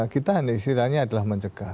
kita istilahnya adalah mencegah